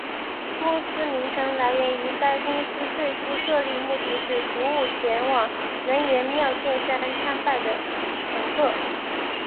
公司名称来源于该公司最初设立目的是服务前往能势妙见山参拜的乘客。